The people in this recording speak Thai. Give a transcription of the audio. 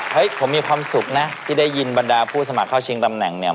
ผมมีความสุขนะที่ได้ยินบรรดาผู้สมัครเข้าชิงตำแหน่งเนี่ย